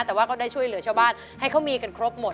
แต่ว่าก็ได้ช่วยเหลือชาวบ้านให้เขามีกันครบหมด